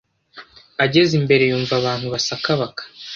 Ageze imbere yumva abantu basakabaka,